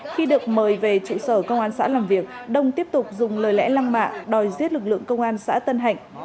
khi được mời về trụ sở công an xã làm việc đông tiếp tục dùng lời lẽ lăng mạ đòi giết lực lượng công an xã tân hạnh